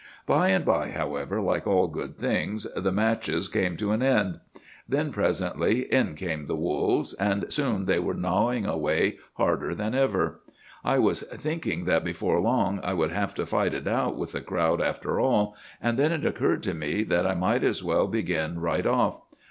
"'By and by, however, like all good things, the matches came to an end. Then presently in came the wolves, and soon they were gnawing away harder than ever. I was thinking that before long I would have to fight it out with the crowd after all, and then it occurred to me that I might as well begin right off.